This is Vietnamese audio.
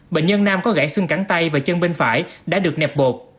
bệnh nhân nam có gãy xương cắn tay và chân bên phải đã được nẹp bột